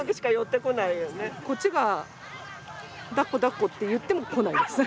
こっちがだっこだっこって言っても来ないです。